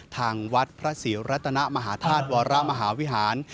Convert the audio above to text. ทางวัดพระศรีรัตนมหาธาตุวรมหาวิหาร